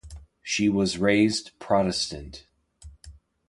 She was raised Protestant.